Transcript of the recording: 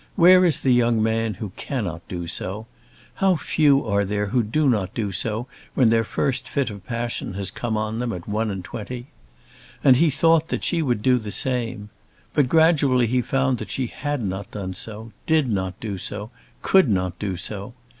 Where is the young man who cannot do so; how few are there who do not do so when their first fit of passion has come on them at one and twenty? And he had thought that she would do the same. But gradually he found that she had not done so, did not do so, could not do so!